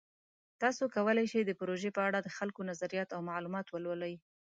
تاسو کولی شئ د پروژې په اړه د خلکو نظریات او معلومات ولولئ.